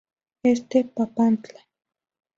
Este: Papantla.